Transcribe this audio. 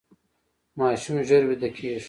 ماشوم ژر ویده کیږي.